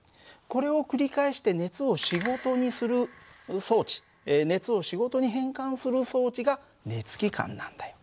これを繰り返して熱を仕事にする装置熱を仕事に変換する装置が熱機関なんだよ。